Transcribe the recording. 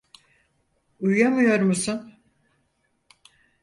Uyuyamıyor musun?